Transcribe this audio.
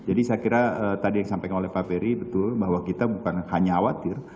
jadi saya kira tadi yang disampaikan oleh pak peri betul bahwa kita bukan hanya khawatir